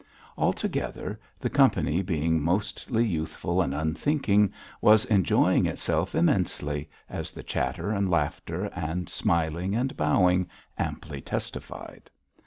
Altogether, the company, being mostly youthful and unthinking, was enjoying itself immensely, as the chatter and laughter, and smiling and bowing amply testified.